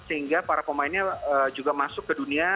sehingga para pemainnya juga masuk ke dunia